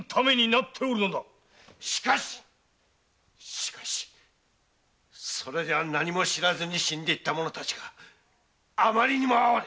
しかししかしそれでは何も知らずに死んでいった者たちがあまりにも哀れ。